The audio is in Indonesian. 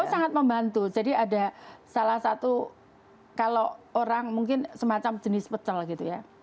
oh sangat membantu jadi ada salah satu kalau orang mungkin semacam jenis pecel gitu ya